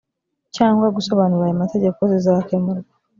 cyangwa gusobanura aya mategeko zizakemurwa